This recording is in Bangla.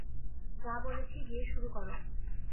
যা বলেছি গিয়ে শুরু কর।